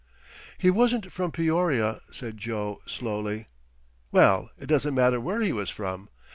"He wasn't from Peoria," said Joe, slowly. "Well, it doesn't matter where he was from.